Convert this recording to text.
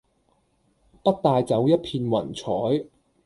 不帶走一片雲彩